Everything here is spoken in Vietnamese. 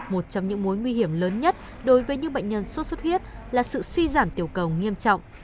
một trong những mối nguy hiểm lớn nhất đối với những bệnh nhân sốt xuất huyết là sự suy giảm tiểu cầu nghiêm trọng